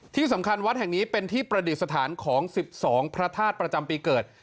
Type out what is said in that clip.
ที่สำคัญวัดแห่งนี้เป็นที่ประดิษฐานของ๑๒พระธาตุประจำปีเกิด